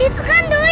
itu kan doyan